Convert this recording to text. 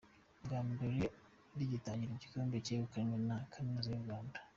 Bwa mbere rigitangira igikombe cyegukanywe na kaminuza y’u Rwanda.